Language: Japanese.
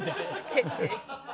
ケチ。